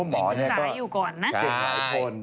เพราะคุณหมอก็ซึกสาอยู่ก่อนนะ